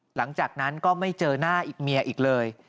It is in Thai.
หลังจากนั้นก็ไม่เจอหน้าอีกเมียอีกเลย